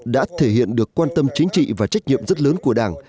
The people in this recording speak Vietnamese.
đã thể hiện được quan tâm chính trị và trách nhiệm rất lớn của đảng